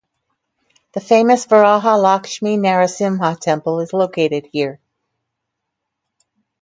The famous Varaha Lakshmi Narasimha temple is located here.